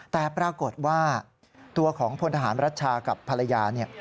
แต่ปรากฏว่าตัวของพลทหารรัชชากับภรรยาเนี่ย